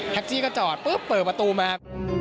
แท็กซี่ก็จอดปุ๊บเปิดประตูมา